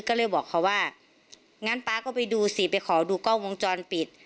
ก็เลยบอกเขาว่างั้นป๊าก็ไปดูสิไปขอดูกล้องวงจรปิด